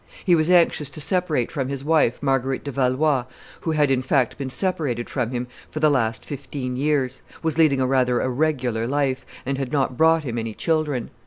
He was anxious to separate from his wife, Marguerite de Valois, who had, in fact, been separated from him for the last fifteen years, was leading a very irregular life, and had not brought him any children.